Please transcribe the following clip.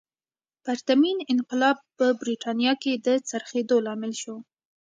پرتمین انقلاب په برېټانیا کې د څرخېدو لامل شو.